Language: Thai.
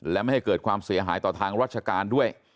และไม่ให้เกิดความเสียหายต่อทางราชการด้วย